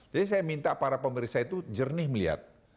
jadi saya minta para pemeriksa itu jernih melihat